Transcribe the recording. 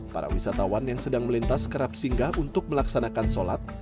para wisatawan yang sedang melintas kerap singgah untuk melaksanakan sholat